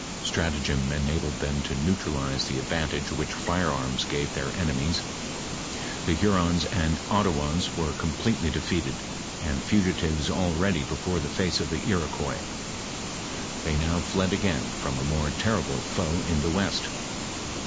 Stratagem enabled them to neutralize the advantage which firearms gave their enemies; the Hurons and Ottawas were completely defeated, and fugitives already before the face of the Iroquois, they now fled again from a more terrible foe in the west.